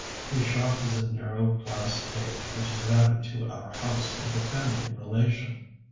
His shop is a narrow glass cage, which is added to our house, like a family relation.